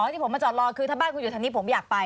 ที่ผมมาจอดรอคือถ้าบ้านคุณอยู่ทางนี้ผมอยากไป